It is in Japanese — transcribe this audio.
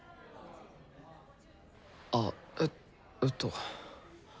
あっええっと。